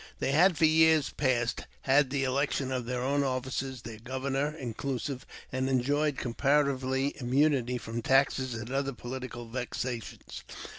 They had for years past had the election of their own officers, their governor inclusive, and enjoyed comparative immunity from taxes and other political vexations.